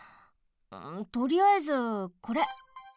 とりあえずこれ。